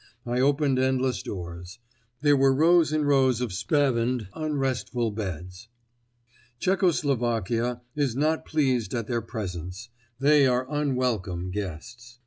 I opened endless doors; there were rows and rows of spavined, unrestful beds. Czecho Slovakia is not pleased at their presence; they are unwelcome guests.